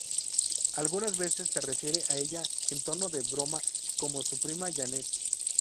Algunas veces se refiere a ella en tono de broma como su "Prima Janet".